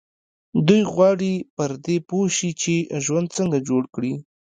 دوی غواړي پر دې پوه شي چې ژوند څنګه جوړ کړي.